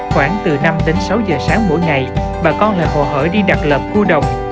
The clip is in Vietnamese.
khoảng từ năm đến sáu giờ sáng mỗi ngày bà con lại hộ hỡi đi đặt lợp cua đồng